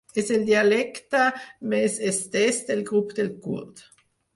És el dialecte més estès del grup del kurd.